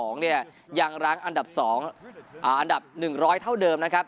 เนี่ยยังร้างอันดับ๑ร้อยเท่าเดิมนะครับ